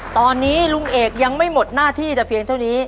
ตอนนี้ลุงเอกยังไม่หมดหน้าที่แต่เพียงเท่านี้